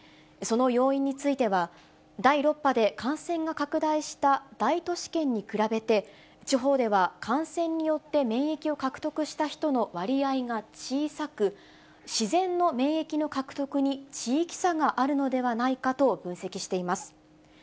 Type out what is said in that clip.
その要因については、第６波で感染が拡大した大都市圏に比べて、地方では感染によって免疫を獲得した人の割合が小さく、自然の免疫の獲得に地域差があるのではないかと分析しています。